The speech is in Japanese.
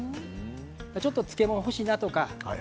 ちょっと漬物ほしいなとか。